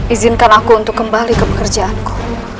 izinkan aku untuk kembali ke pekerjaanku